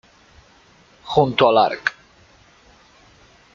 Junto al Arq.